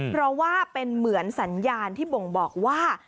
เพราะว่าเป็นเหมือนสัญญาณที่บ่งบอกว่า